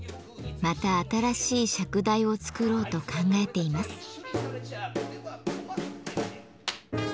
また新しい釈台を作ろうと考えています。